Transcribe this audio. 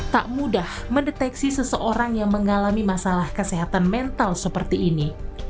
tak mudah mendeteksi seseorang yang mengalami masalah kesehatan mental seperti ini